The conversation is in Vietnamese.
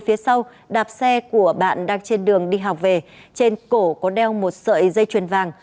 phía sau đạp xe của bạn đang trên đường đi học về trên cổ có đeo một sợi dây chuyền vàng